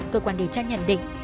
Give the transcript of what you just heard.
cơ quan điều tra nhận định